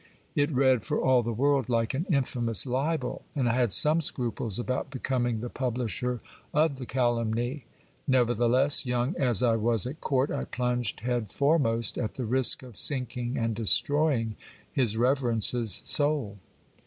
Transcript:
It read for all the world like an infamous libel and I had some scruples about becoming the publisher of the calumny; nevertheless, young as I was at court, I plunged head foremost, at the risk of sinking and destroying his reverence's soul.